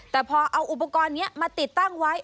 แต่พอเอาอุปกรณ์นี้มาติดตั้งไว้